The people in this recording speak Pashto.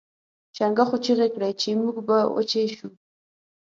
چنګښو چیغې کړې چې موږ به وچې شو.